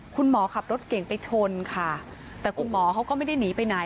คุณหมอขับรถเก่งไปชนค่ะแต่คุณหมอเขาก็ไม่ได้หนีไปไหน